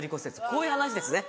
こういう話ですね。